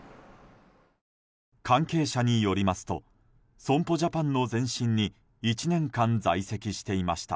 関係者によりますと損保ジャパンの前身に１年間、在籍していました。